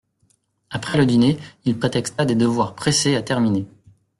Après le dîner il prétexta des devoirs pressés à terminer.